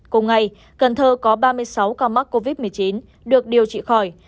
cùng ngày cần thơ có ba mươi sáu ca mắc covid một mươi chín được điều trị khỏi